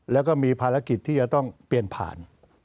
แล้วก็มีภารกิจที่จะต้องเปลี่ยนผ่าน